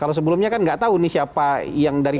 kalau sebelumnya kan nggak tahu nih siapa yang dari